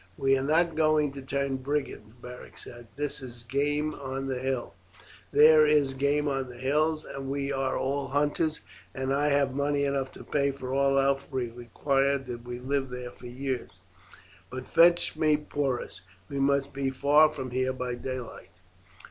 "We are not going to turn brigands," Beric said; "there is game on the hills, and we are all hunters, and I have money enough to pay for all else we require did we live there for years. But fetch me Porus. We must be far from here by daylight."